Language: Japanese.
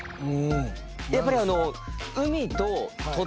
やっぱりあの。